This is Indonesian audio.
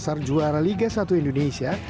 timnya juga mencari pelatih yang lebih besar